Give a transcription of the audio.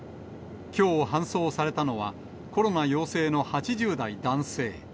きょう搬送されたのは、コロナ陽性の８０代男性。